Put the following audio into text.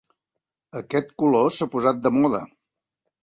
Aquest color s'ha posat de moda.